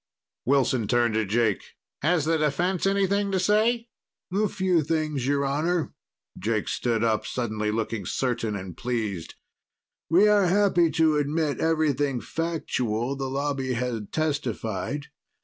Wilson turned to Jake. "Has the defense anything to say?" "A few things, Your Honor." Jake stood up, suddenly looking certain and pleased. "We are happy to admit everything factual the Lobby had testified.